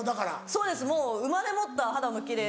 そうですもう生まれ持った肌の奇麗。